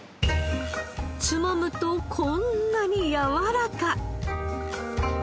つまむとこんなにやわらか！